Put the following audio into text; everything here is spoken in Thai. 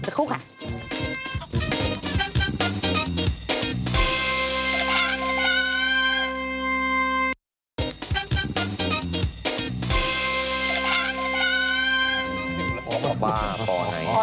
นี่ไงสวัสดีค่ะ